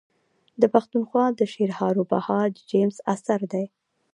د پښتونخوا د شعرهاروبهار د جيمز اثر دﺉ.